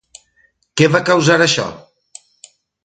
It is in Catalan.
Què va causar això?